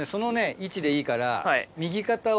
位置でいいから。